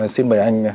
xin mời anh